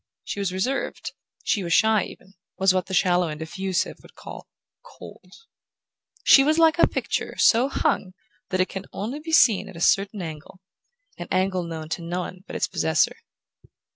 She was reserved, she was shy even, was what the shallow and effusive would call "cold". She was like a picture so hung that it can be seen only at a certain angle: an angle known to no one but its possessor.